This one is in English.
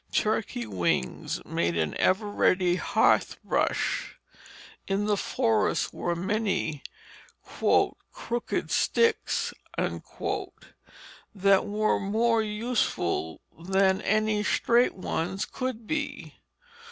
Turkey wings made an ever ready hearth brush. In the forests were many "crooked sticks" that were more useful than any straight ones could be.